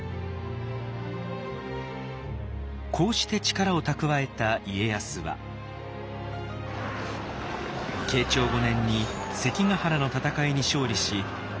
こうして力を蓄えた家康は慶長５年に関ヶ原の戦いに勝利し天下統一を果たします。